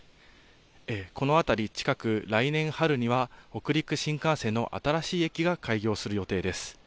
この辺り、近く、来年春には北陸新幹線の新しい駅が開業する予定です。